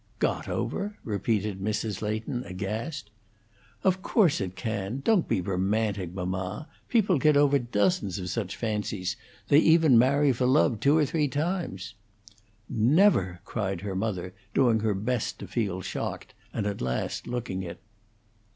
"Got over!" repeated Mrs. Leighton, aghast. "Of course, it can! Don't be romantic, mamma. People get over dozens of such fancies. They even marry for love two or three times." "Never!" cried her mother, doing her best to feel shocked; and at last looking it.